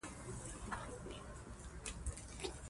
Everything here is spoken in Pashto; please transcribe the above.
غيبي شيان نه مني، د صلوة په قائمولو اعتقاد نه لري